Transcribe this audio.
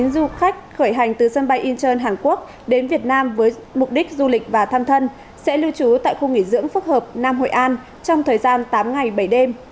du khách khởi hành từ sân bay incheon hàn quốc đến việt nam với mục đích du lịch và thăm thân sẽ lưu trú tại khu nghỉ dưỡng phức hợp nam hội an trong thời gian tám ngày bảy đêm